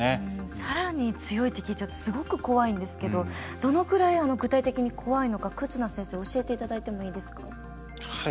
さらに強いと聞いちゃうとすごく怖いんですけどどのくらい、具体的に怖いのか忽那先生教えていただいていいですか？